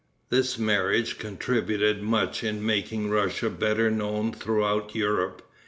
This marriage contributed much in making Russia better known throughout Europe.